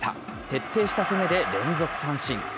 徹底した攻めで連続三振。